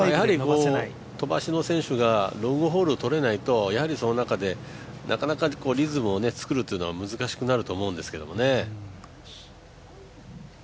飛ばしの選手がロングホールを取れないと、その中でなかなかリズムを作るのは難しくなると思うんですけどね。